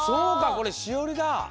これしおりだ！